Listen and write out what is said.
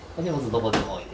どこでも置いて。